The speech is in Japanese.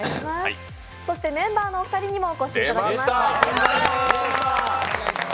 メンバーのお二人にもお越しいただきました。